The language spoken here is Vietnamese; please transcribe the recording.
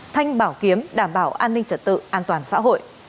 thanh bảo kiếm đảm bảo an ninh trật tự an toàn xã hội